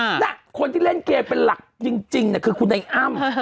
น่ะคนที่เล่นเกมเป็นหลักจริงคือคุณไอ้อ้ำ